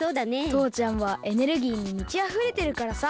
とうちゃんはエネルギーにみちあふれてるからさ。